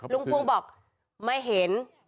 ลุงพวงบอกไม่เห็น